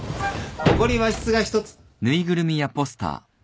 ここに和室が１つ。